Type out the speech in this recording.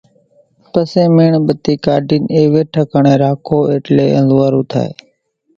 پسي ميڻ ٻتي ڪاڍين ايوي ٺڪاڻي راکو ايٽلي انزوئارون ٿائي